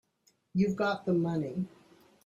You've got the money.